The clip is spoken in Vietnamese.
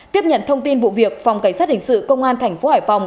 tiếp nhận thông tin vụ việc phòng cảnh sát hình sự công an thành phố hải phòng